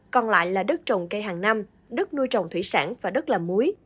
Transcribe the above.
còn lại là đất trồng cây hàng năm đất nuôi trồng thủy sản và đất làm muối